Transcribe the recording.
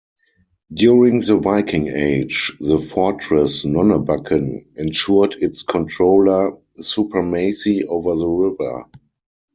During the Viking Age, the fortress Nonnebakken ensured its controller supremacy over the river.